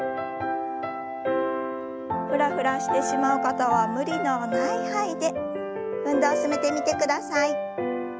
フラフラしてしまう方は無理のない範囲で運動を進めてみてください。